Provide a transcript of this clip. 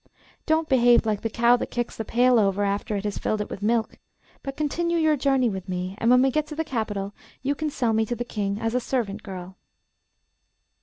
Don't behave like the cow that kicks the pail over after it has filled it with milk, but continue your journey with me, and when we get to the capital you can sell me to the King as a servant girl.